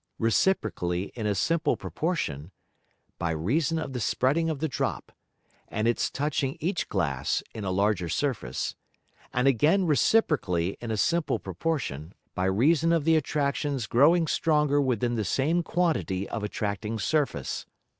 _ reciprocally in a simple Proportion, by reason of the spreading of the Drop, and its touching each Glass in a larger Surface; and again reciprocally in a simple Proportion, by reason of the Attractions growing stronger within the same quantity of attracting Surface.